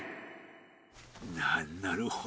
ななるほど。